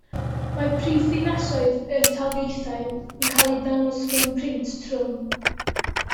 Mae prifddinasoedd y taleithiau yn cael eu dangos mewn print trwm.